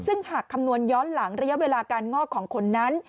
ซึ่งหากคำนวณย้อนหลังระยะเวลาการงอกของคนนั้น